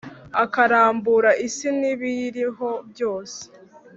akarambura isi n’ibiyiriho byose,